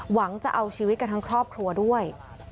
หวังจะเอาชีวิตกันทั้งครอบครัวด้วย